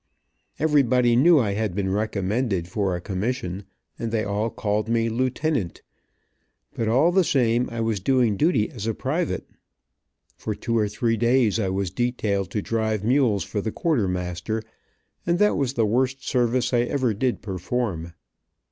Everybody knew I had been recommended for a commsssion, and they all called me "Lieutenant," but all the same I was doing duty as a private. For two or three clays I was detailed to drive mules for the quartermaster, and that was the worst service I ever did perform.